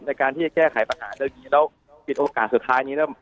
ในการที่จะแก้ไขปัญหาเรื่องนี้แล้วปิดโอกาสสุดท้ายนี้แล้ว